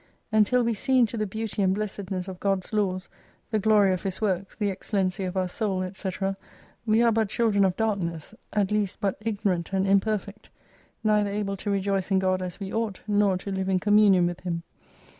And till we see into the beauty and blessedness of God's Laws, the glory of His works, the excellency of our soul, &c. we are but childrien of darkness, at least but ignorant and imperfect : neither able to rejoice in God as we ought, nor to live in com munion with Him.